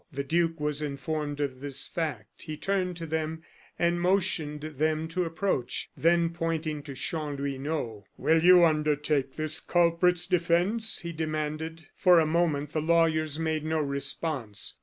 The duke was informed of this fact. He turned to them, and motioned them to approach; then, pointing to Chanlouineau: "Will you undertake this culprit's defence?" he demanded. For a moment the lawyers made no response.